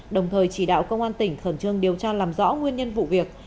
đồng thời chỉ đạo công an tỉnh khẩn trương điều tra làm rõ nguyên nhân vụ việc